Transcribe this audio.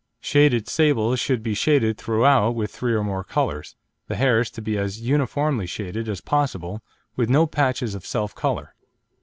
Shaded sables should be shaded throughout with three or more colours, the hairs to be as "uniformly shaded" as possible, with no patches of self colour.